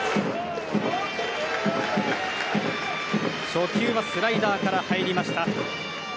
初球はスライダーから入りました。